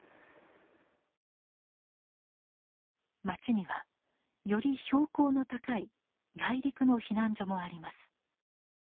町にはより標高の高い内陸の避難所もあります。